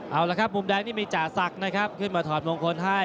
เอาละครับมุมแดงนี่มีจ่าศักดิ์นะครับขึ้นมาถอดมงคลให้